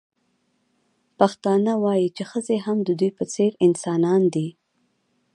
پښتانه وايي چې ښځې هم د دوی په څېر انسانان دي.